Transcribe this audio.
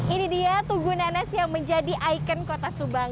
ini dia tugu nanas yang menjadi ikon kota subang